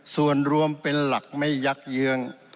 ส่วนรวมเป็นหลักไม่ยักเยื้อง